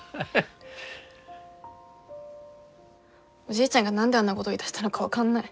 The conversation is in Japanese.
おじいちゃんが何であんなごど言いだしたのか分かんない。